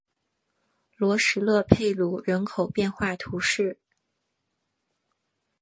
罗什勒佩鲁人口变化图示